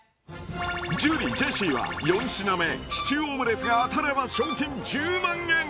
樹ジェシーは４品目シチューオムレツが当たれば賞金１０万円！